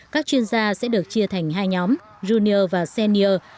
các chuyên gia sẽ được chia thành hai nhóm junior và senior